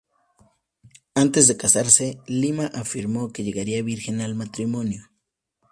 Antes de casarse, Lima afirmó que llegaría virgen al matrimonio.